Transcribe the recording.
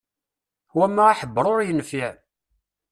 Mawa aḥebber ur yenfiɛ.